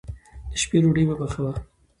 د شپې ډوډۍ مه پخوه.